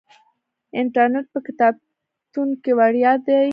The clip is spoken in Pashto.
انټرنیټ په کتابتون کې وړیا دی.